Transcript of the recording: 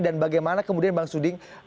dan bagaimana kemudian bang suding